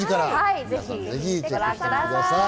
ぜひご覧ください。